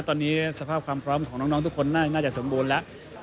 ตอนนี้สภาพความพร้อมของน้องทุกคนน่าจะสมบูรณ์แล้ว